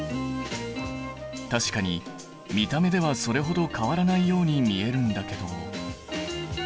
確かに見た目ではそれほど変わらないように見えるんだけど。